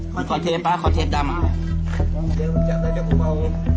เฮ้ยเดี๋ยวไข่หาดเฮ้ยเดี๋ยวไข่มาให้หาดก่อน